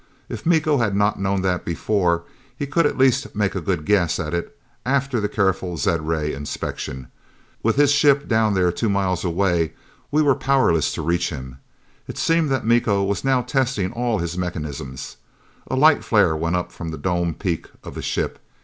If Miko had not known that before, he could at least make a good guess at it after the careful zed ray inspection. With his ship down there two miles away, we were powerless to reach him. It seemed that Miko was now testing all his mechanisms. A light flare went up from the dome peak of the ship.